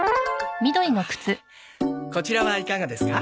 こちらはいかがですか？